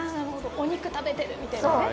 お肉食べてるみたいなね。